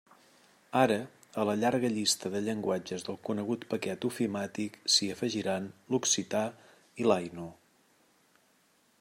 Ara, a la llarga llista de llenguatges del conegut paquet ofimàtic s'hi afegiran l'occità i l'ainu.